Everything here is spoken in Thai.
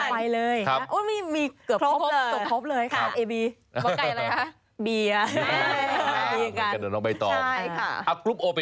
แล้วคุณจะดุลผมทำไม